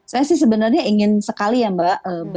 saya sih sebenarnya ingin sekali ya mbak